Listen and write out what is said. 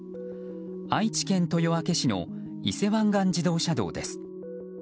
愛知県豊明市の伊勢湾岸自動車道です。